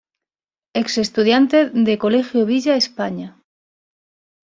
Ex estudiante de Colegio Villa España.